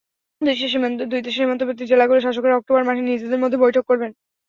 দুই দেশের সীমান্তবর্তী জেলাগুলির শাসকেরা অক্টোবর মাসে নিজেদের মধ্যে বৈঠক করবেন।